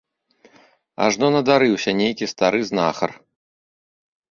Ажно надарыўся нейкі стары знахар.